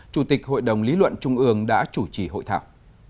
chủ tịch hội đồng lý luận trung ương đã chủ trì hội thảo